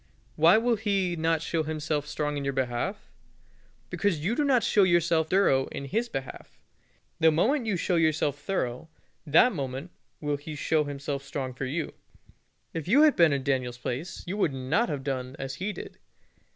Why will He not show Himself strong in your behalf? Because you do not show yourself thorough in His behalf. The moment you show yourself thorough, that moment will He show Himself strong for you. If you had been in Daniel's place you would not have done as he did.